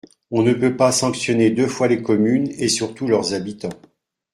On ne peut pas sanctionner deux fois les communes et surtout leurs habitants.